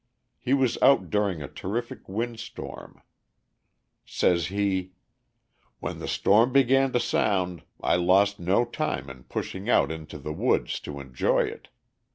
He was out during a terrific wind storm. Says he: "When the storm began to sound I lost no time in pushing out into the woods to enjoy it.